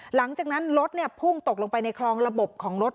หลังจากนั้นรถพุ่งตกลงไปในคลองระบบของรถ